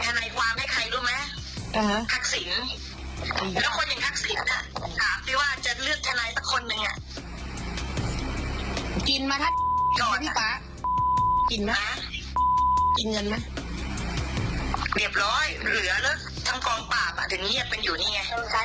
สวัสดีครับทุกคน